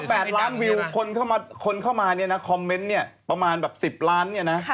๒๘ล้านวิวคนเข้ามาวิวคอนเมนต์ประมาณ๑๐ล้าน